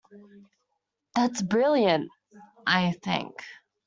That's brilliant, I think.